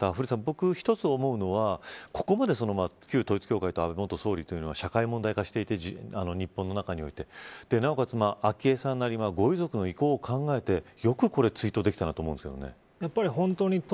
僕が一つ思うのはここまで旧統一教会と安倍元総理というのが社会問題化していて日本の中においてなおかつ、昭恵さんなりご遺族の意向を考えてよく追悼できたなと思うんですけどね。